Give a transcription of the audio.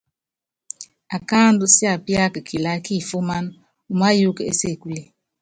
Akáandú siapiáka kilaá kifuman, umáyuukɔ ésekule.